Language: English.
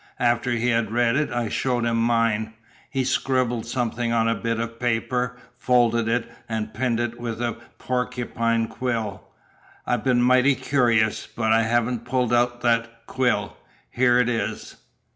After he had read it I showed him mine. He scribbled something on a bit of paper, folded it, and pinned it with a porcupine quill. I've been mighty curious, but I haven't pulled out that quill. Here it is."